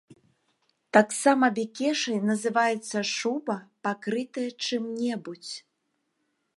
Таксама бекешай называецца шуба, пакрытая чым-небудзь.